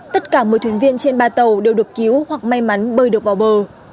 tất cả một mươi thuyền viên trên ba tàu đều được cứu hoặc may mắn bơi được vào bờ